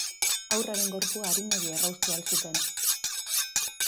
Haurraren gorpua arinegi erraustu al zuten?